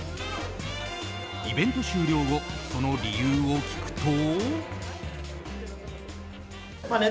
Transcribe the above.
イベント終了後その理由を聞くと。